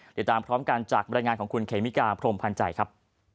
ติดตามพร้อมกันจากบรรยายงานของคุณเคมิกาพรมพันธ์ใจครับ